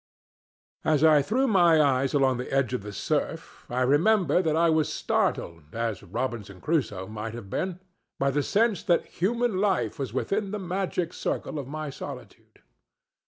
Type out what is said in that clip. As I threw my eyes along the edge of the surf I remember that I was startled, as Robinson Crusoe might have been, by the sense that human life was within the magic circle of my solitude.